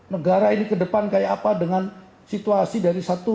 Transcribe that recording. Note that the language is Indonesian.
negara ini ke depan kayak apa dengan situasi dari satu